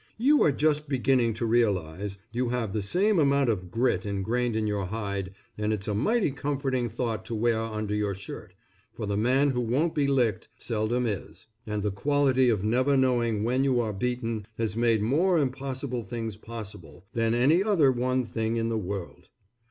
You are just beginning to realize you have the same amount of grit engrained in your hide, and it's a mighty comforting thought to wear under your shirt, for the man who won't be licked seldom is, and the quality of never knowing when you are beaten has made more impossible things possible, than any other one thing in the world.